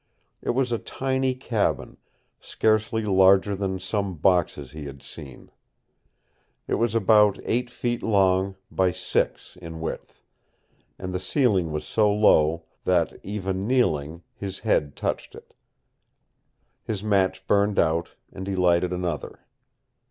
It was a tiny cabin, scarcely larger than some boxes he had seen. It was about eight feet long by six in width, and the ceiling was so low that, even kneeling, his head touched it. His match burned out, and he lighted another.